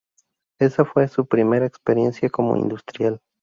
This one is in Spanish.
Esa fue su primera experiencia como industrial.